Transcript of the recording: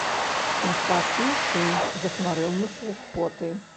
У спасылцы захварэў на сухоты.